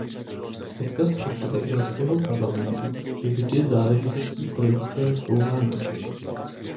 Odkaz předsedy Evropského parlamentu je vždy záležitostí politického zkoumání.